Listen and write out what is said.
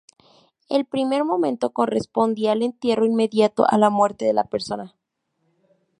El primer momento correspondía al entierro inmediato a la muerte de la persona.